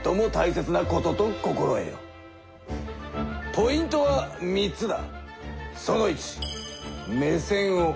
ポイントは３つだ。